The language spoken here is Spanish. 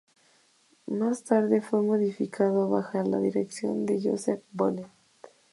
Más tarde fue modificado bajo la dirección de Joseph Bonnet.